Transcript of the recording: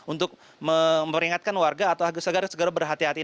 untuk memperingatkan warga atau segar segar berhati hati